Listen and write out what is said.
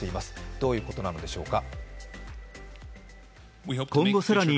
どういうことなのでしょうか。